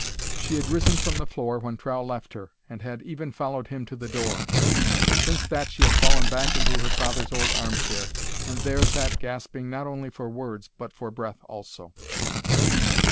She had risen from the floor when Trow left her, and had even followed him to the door; but since that she had fallen back into her father's old arm chair, and there sat gasping not only for words, but for breath also.